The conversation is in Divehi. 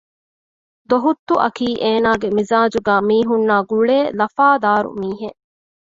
ދޮހުއްތުއަކީ އޭނާގެ މިޒާޖުގައި މީހުންނާއި ގުޅޭ ލަފާދާރު މީހެއް